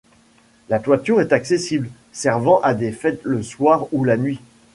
La toiture est accessible, servant à des fêtes le soir ou la nuit.